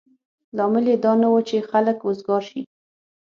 لامل یې دا نه و چې خلک وزګار شي.